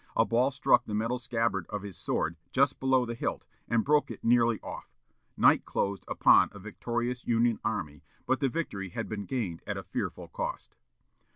A ball struck the metal scabbard of his sword, just below the hilt, and broke it nearly off. Night closed upon a victorious Union army, but the victory had been gained at a fearful cost.